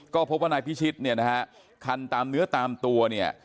ก็พบว่านายพิชิตเนี่ยนะฮะคันตามเนื้อตามตัวเนี่ย